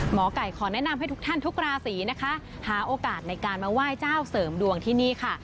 หมอไก่ขอแนะนำให้ทุกท่านทุกราศีนะคะหาโอกาสในการมาไหว้เจ้าเสริมดวงที่นี่ค่ะ